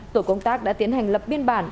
tổ công tác đã tiến hành lập biên bản